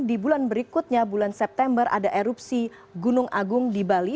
di bulan berikutnya bulan september ada erupsi gunung agung di bali